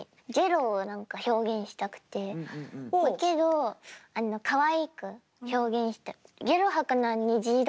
けどかわいく表現したい。